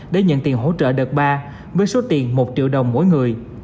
để nhận tiền hỗ trợ đợt ba với số tiền một triệu đồng mỗi người